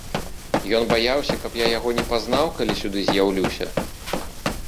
Ён баяўся, каб я яго не пазнаў, калі сюды з'яўлюся?